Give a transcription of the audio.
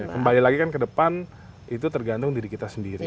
kembali lagi kan ke depan itu tergantung diri kita sendiri